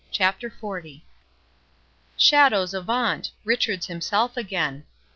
CHAPTER XL Shadows avaunt!—Richard's himself again.